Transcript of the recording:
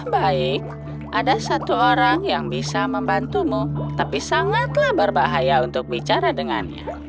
baik ada satu orang yang bisa membantumu tapi sangatlah berbahaya untuk bicara dengannya